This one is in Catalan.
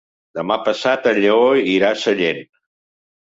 Demà passat en Lleó irà a Sallent.